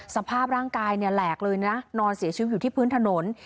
สภาพร่างกายเนี่ยแหลกเลยนะนอนเสียชีวิตอยู่ที่พื้นถนน